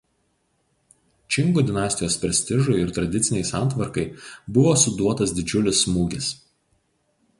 Čingų dinastijos prestižui ir tradicinei santvarkai buvo suduotas didžiulis smūgis.